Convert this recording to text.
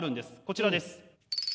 こちらです。